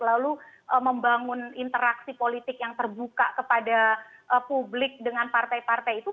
lalu membangun interaksi politik yang terbuka kepada publik dengan partai partai itu